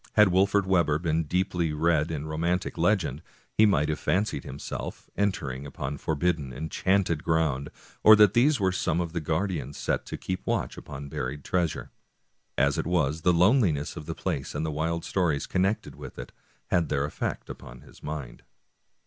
Had Wolfert Webber been deeply read in romantic legend he might have fancied himself entering upon forbidden, en chanted ground, or that these were some of the guardians set to keep watch upon buried treasure. As it was, the loneliness of the place, and the wild stories connected with it, had their efifect upon his mind.